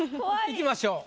いきましょう。